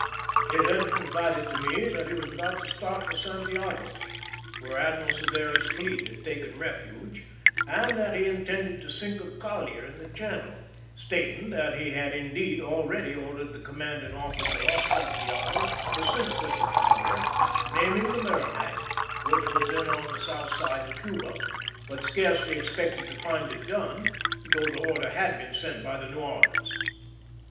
He then confided to me that he was about to start for Santiago, where Admiral Cervera's fleet had taken refuge, and that he intended to sink a collier in the channel, stating that he had, indeed, already ordered the commanding officer off Santiago to sink such a collier, naming the Merrimac, which was then on the south side of Cuba, but scarcely expected to find it done, though the order had been sent by the New Orleans.